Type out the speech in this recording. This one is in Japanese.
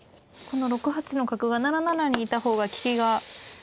この６八の角は７七にいた方が利きが。